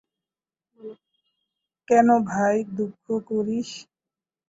কেন ভাই, দুঃখ করিস?